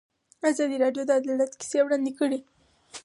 ازادي راډیو د عدالت کیسې وړاندې کړي.